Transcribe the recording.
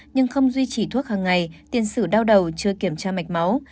nhưng không duy trì thuốc hằng ngày tiền xử đau đầu chưa kiểm tra mạch máu